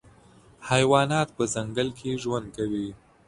حیوانات په ځنګل کي ژوند کوي.